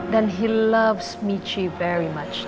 dan dia sangat mencintai michi